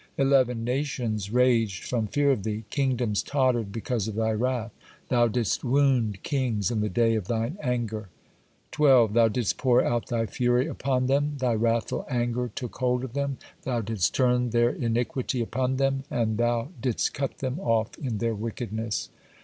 11. Nations raged from fear of Thee, kingdoms tottered because of Thy wrath, Thou didst wound kings in the day of Thine anger. 12. Thou didst pour out Thy fury upon them, Thy wrathful anger took hold of them, Thou didst turn their iniquity upon them, and Thou didst cut them off in their wickedness.